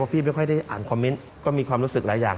พี่ไม่ค่อยได้อ่านคอมเมนต์ก็มีความรู้สึกหลายอย่าง